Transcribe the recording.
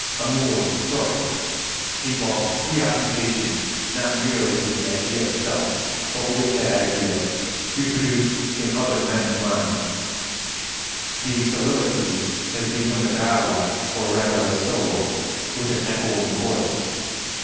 Amour propre involves preoccupation not merely with the idea of self, but with that idea reproduced in other men's minds; the soliloquy has become a dialogue, or rather a solo with an echoing chorus.